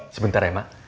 subentara ya mak